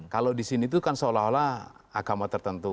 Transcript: kalau di sini itu kan seolah olah agama tertentu